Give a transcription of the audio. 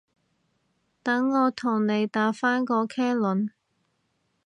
等我同你打返個茄輪